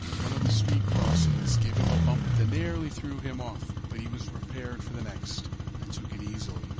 One of the street crossings gave him a bump that nearly threw him off, but he was prepared for the next, and took it easily.